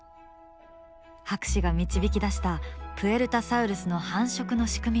博士が導き出したプエルタサウルスの繁殖の仕組みはこうだ。